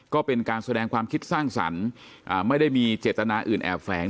ก็เป็นการแสดงความคิดสร้างสรรค์ไม่ได้มีเจตนาอื่นแอบแฝง